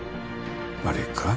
あれか？